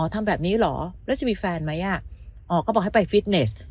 ทำแบบนี้เหรอแล้วจะมีแฟนไหมอ่ะอ๋อก็บอกให้ไปฟิตเนส